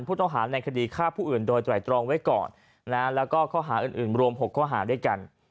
ผู้ต้องหาในคดีฆ่าผู้อื่นโดยไตรตรองไว้ก่อนแล้วก็ข้อหาอื่นรวม๖ข้อหาด้วยกัน